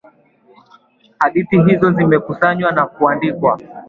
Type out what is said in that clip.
Hadithi hizo zimekusanywa na kuandikwa.